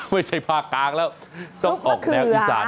ไม่ใช่ภาคกลางแล้วต้องออกแนวอีสานนิดนึง